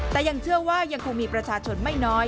แต่ยังเชื่อว่ายังคงมีประชาชนไม่น้อย